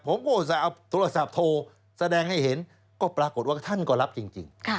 ผมก็เอาโทรศัพท์โทรแสดงให้เห็นก็ปรากฏว่าท่านก็รับจริง